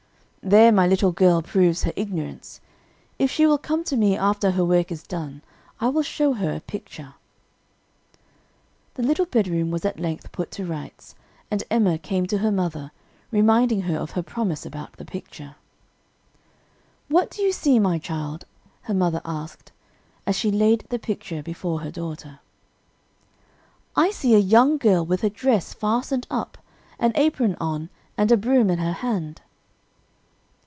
"There my little girl proves her ignorance. If she will come to me after her work is done, I will show her a picture." The little bedroom was at length put to rights, and Emma came to her mother, reminding her of her promise about the picture. "What do you see, my child?" her mother asked, as she laid the picture before her daughter. "I see a young girl with her dress fastened up, an apron on, and a broom in her hand."